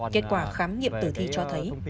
kết quả khám nghiệm tử thi cho thấy